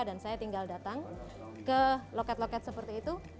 dan saya tinggal datang ke loket loket seperti itu